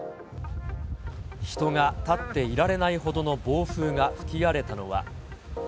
人が立っていられないほどの暴風が吹き荒れたのは。